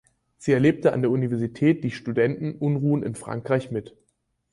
Sie erlebte an der Universität die Studentenunruhen in Frankreich mit.